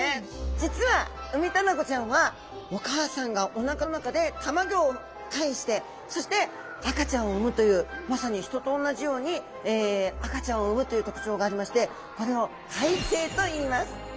実はウミタナゴちゃんはお母さんがお腹の中で卵をかえしてそして赤ちゃんを産むというまさに人とおんなじように赤ちゃんを産むという特徴がありましてこれを胎生といいます。